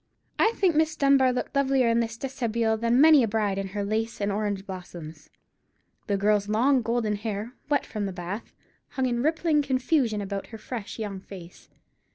I think Miss Dunbar looked lovelier in this déshabille than many a bride in her lace and orange blossoms. The girl's long golden hair, wet from the bath, hung in rippling confusion about her fresh young face.